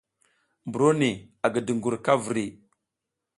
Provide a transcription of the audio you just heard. Mburo ni a gi dungur ka vri.